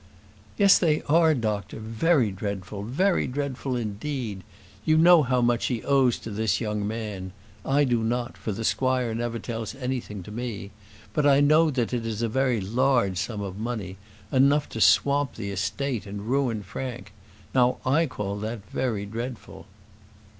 "Yes they are, doctor; very dreadful; very dreadful indeed. You know how much he owes to this young man: I do not, for the squire never tells anything to me; but I know that it is a very large sum of money; enough to swamp the estate and ruin Frank. Now I call that very dreadful."